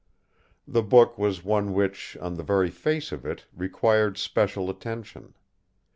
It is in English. The book was one which, on the very face of it, required special attention.